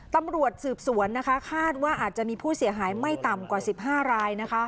ตำรวจสืบสวนนะคะคาดว่าอาจจะมีผู้เสียหายไม่ต่ำกว่า๑๕ราย